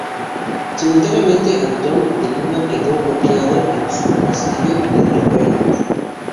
Simultáneamente, Antón de Luna quedó bloqueado en su castillo de Loarre.